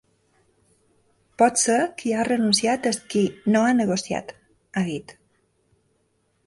“Potser qui ha renunciat és qui no ha negociat”, ha dit.